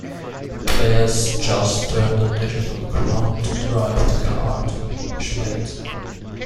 Players just turn the Digital Crown to drive the car to switch lanes.